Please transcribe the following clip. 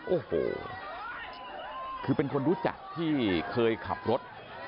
โอ้โหคือเป็นคนรู้จักที่เคยขับรถ